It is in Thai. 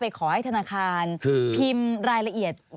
ขอให้ธนาคารพิมพ์รายละเอียด